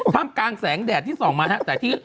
ทำกางแสงแดดที่สองมาสักที